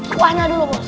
buahnya dulu pak ustad